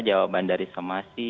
jawaban dari semasi